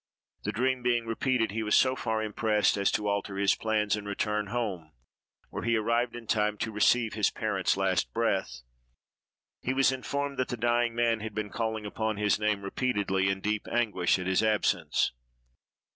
The dream being repeated, he was so far impressed as to alter his plans, and return home, where he arrived in time to receive his parent's last breath. He was informed that the dying man had been calling upon his name repeatedly, in deep anguish at his absence.